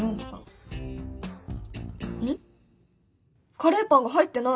カレーパンが入ってない。